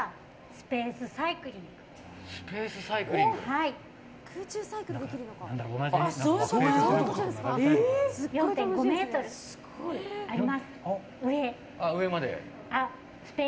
スペースサイクリンングまで。